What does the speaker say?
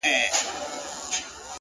عقیدې يې دي سپېڅلي” شرابونه په لیلام دي”